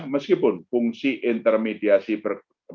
meskipun fungsi intermediasi berbeda